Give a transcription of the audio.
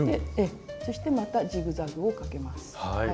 そしてまたジグザグをかけます。